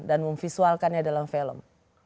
dan memvisualkannya dalam film